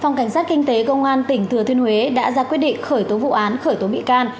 phòng cảnh sát kinh tế công an tỉnh thừa thiên huế đã ra quyết định khởi tố vụ án khởi tố bị can